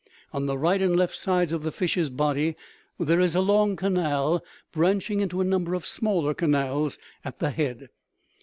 On the right and left sides of the fish's body there is a long canal, branching into a number of smaller canals at the head.